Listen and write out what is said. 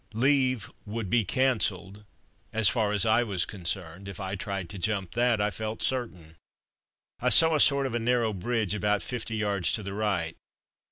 Leave would be cancelled as far as I was concerned if I tried to jump that, I felt certain. I saw a sort of a narrow bridge about fifty yards to the right.